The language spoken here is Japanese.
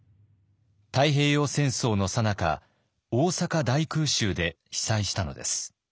太平洋戦争のさなか大阪大空襲で被災したのです。